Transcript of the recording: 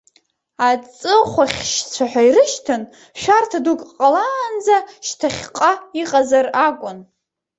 Аҵыхәахьшьцәа ҳәа ирышьҭан, шәарҭа дук ҟалаанӡа шьҭахьҟа иҟазар акәын.